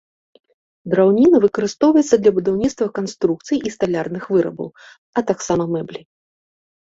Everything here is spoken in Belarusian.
Драўніна выкарыстоўваецца для будаўніцтва канструкцый і сталярных вырабаў, а таксама мэблі.